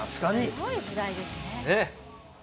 すごい時代ですね。